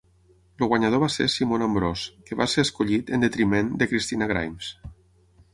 El guanyador va ser Simon Ambrose, que va ser escollit en detriment de Kristina Grimes.